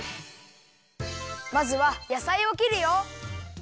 まずはやさいをきるよ。